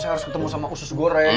saya harus ketemu sama khusus goreng